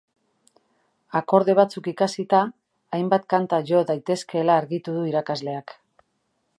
Akorde batzuk ikasita, hainbat kanta jo daitezkeela argi du irakasleak.